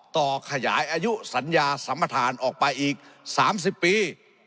ขยายอายุสัญญาสัมประธานออกไปอีก๓๐ปี